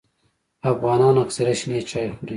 افغانان اکثریت شنې چای خوري